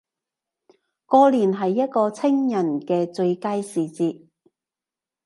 過年係一個清人既最佳時節